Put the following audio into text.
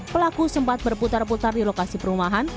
pelaku sempat berputar putar di lokasi perumahan